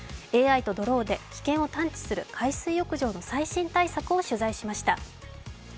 ＡＩとドローで危険を探知する、海水浴場の最新情報を取材しました。